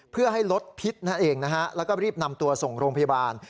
เพื่อให้รถพิษนั่นเองนะฮะแล้วก็รีบนำตัวส่งโรงพยาบาล